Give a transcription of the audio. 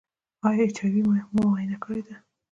ایا ایچ آی وي مو معاینه کړی دی؟